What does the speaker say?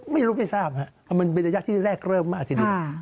ไม่รู้ไม่ทราบมันเป็นระยะที่แรกเริ่มมากสิดี